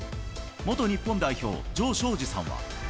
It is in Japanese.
元日本代表、城彰二さんは。